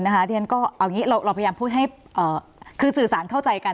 เราก็พยายามพูดให้สื่อสารเข้าใจกัน